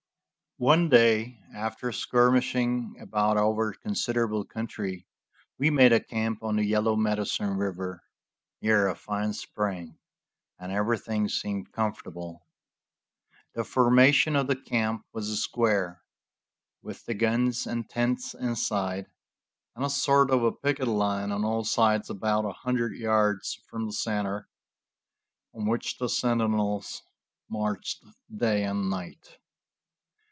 One day, after skirmishing about over considerable country, we made a camp on the Yellow Medicine river, near a fine spring, and everything seemed comfortable. The formation of the camp was a square, with the guns and tents inside, and a sort of a picket line on all sides about a hundred yards from the center, on which the sentinels marched day and night.